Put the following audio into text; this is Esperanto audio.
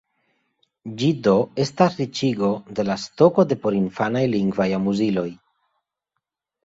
Ĝi do estas riĉigo de la stoko de porinfanaj lingvaj amuziloj.